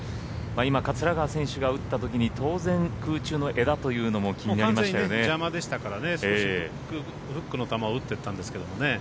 今、桂川選手が打った時に当然、空中の枝というのももう完全に邪魔でしたからね少しフックの球打ってったんですけどね。